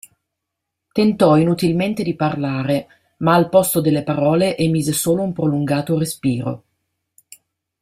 Tentò inutilmente di parlare ma al posto delle parole emise solo un prolungato respiro.